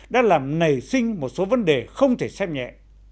đã làm nảy sinh một số vấn đề không thể xem nhẹ